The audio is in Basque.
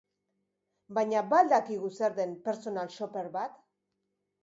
Baina ba al dakigu zer den personal shopper bat?